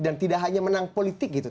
dan tidak hanya menang politik gitu